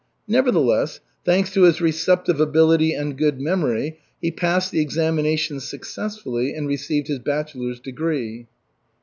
Nevertheless, thanks to his receptive ability and good memory, he passed the examinations successfully and received his bachelor's degree.